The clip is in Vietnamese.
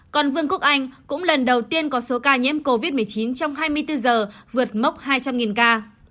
còn vương quốc anh cũng lần đầu tiên có số ca nhiễm covid một mươi chín trong hai mươi bốn giờ vượt mốc hai trăm linh ca